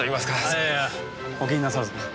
いやいやお気になさらず。